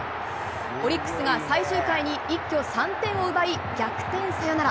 オリックスが最終回に一挙３点を奪い逆転サヨナラ。